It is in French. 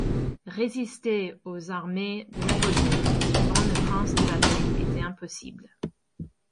Résister aux armées de Napoléon, suivant le prince de la Paix, était impossible.